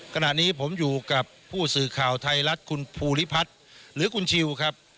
ขณะนี้ผมอยู่กับผู้สื่อข่าวไทยรัฐคุณภูริพัฒน์หรือคุณชิวครับ